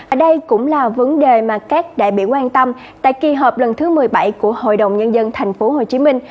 ở đây cũng là vấn đề mà các đại biểu quan tâm tại kỳ họp lần thứ một mươi bảy của hội đồng nhân dân tp hcm